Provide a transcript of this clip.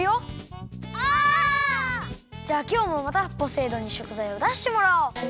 じゃあきょうもまたポセイ丼にしょくざいをだしてもらおう！